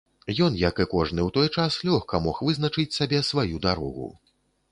Ён, як і кожны ў той час, лёгка мог вызначыць сабе сваю дарогу.